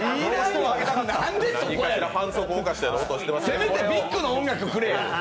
せめてビッグな音楽、振れや。